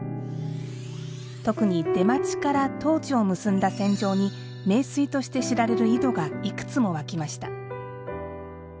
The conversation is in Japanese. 特に出町から東寺を結んだ線上に名水として知られる井戸がいくつも湧きました。